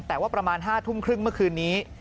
แต่ว่าประมาณ๕ทุ่มครึ่งเมื่อคืนนี้